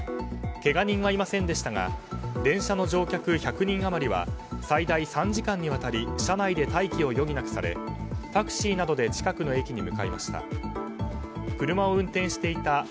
けが人はいませんでしたが電車の乗客１００人余りは最大３時間にわたり車内で待機を余儀なくされタクシーなどで近くの駅に向かいました。